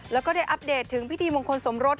แล้วก็ได้อัปเดตถึงพิธีมงคลสมรส